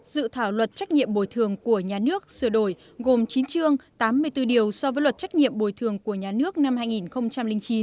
dự thảo luật trách nhiệm bồi thường của nhà nước sửa đổi gồm chín chương tám mươi bốn điều so với luật trách nhiệm bồi thường của nhà nước năm hai nghìn chín